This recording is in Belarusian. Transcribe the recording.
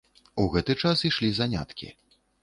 У гэты час ішлі заняткі.